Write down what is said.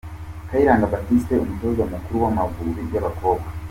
Kayiranga Baptiste umutoza mukuru w’Amavubi y’abakobwa